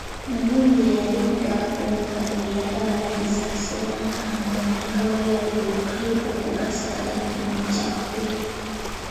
Mulundi ye yali Gabunga eyagabajjisa, Ssewankambo n'agawalula ku lukalu okugasaza mu Kyaggwe.